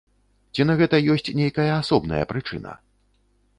Ці на гэта ёсць нейкая асобная прычына?